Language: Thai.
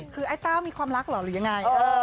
คือไอ้เต้ามีความรักเหรอหรือยังไง